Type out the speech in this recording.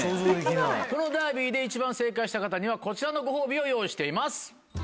このダービーで一番正解した方にはこちらのご褒美を用意しています。